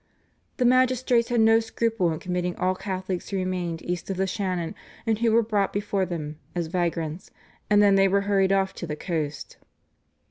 The magistrates had no scruple in committing all Catholics who remained east of the Shannon and who were brought before them, as vagrants, and then they were hurried off to the coast.